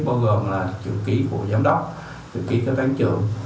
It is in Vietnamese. bao gồm là triệu ký của giám đốc triệu ký của tán trưởng